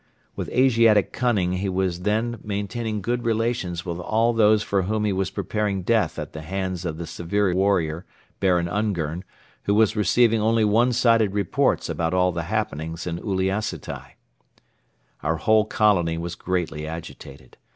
With Asiatic cunning he was then maintaining good relations with all those for whom he was preparing death at the hands of the severe warrior, Baron Ungern, who was receiving only one sided reports about all the happenings in Uliassutai. Our whole colony was greatly agitated.